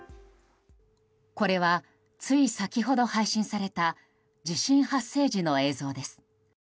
これは、つい先ほど配信された地震発生時の映像です。